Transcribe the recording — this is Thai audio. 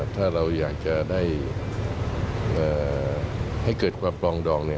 ถ้าเราอยากจะได้ให้เกิดความปลองดอง